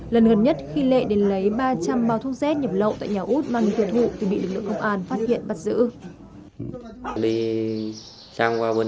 lần gần nhất khi lệ đến lấy ba trăm linh bao thuốc rét nhập lậu tại nhà út mang tiêu thụ thì bị lực lượng công an phát hiện bắt giữ